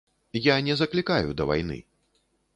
Я не заклікаю да вайны.